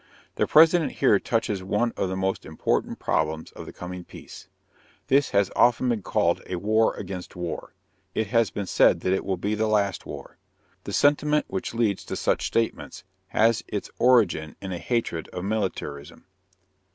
_ The President here touches one of the most important problems of the coming peace. This has often been called a war against war; it has been said that it will be the last war. The sentiment which leads to such statements has its origin in a hatred of militarism.